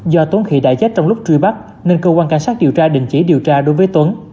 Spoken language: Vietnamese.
do tuấn khỉ đã chết trong lúc truy bắt nên cơ quan cảnh sát điều tra định chỉ điều tra đối với tuấn